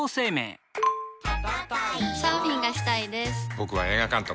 僕は映画監督。